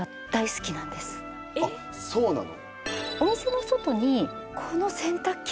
あっそうなの？